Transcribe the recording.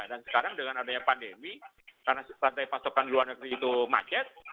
dan sekarang dengan adanya pandemi karena rantai pasokan luar negeri itu macet